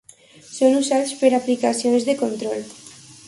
Són usats per aplicacions de control.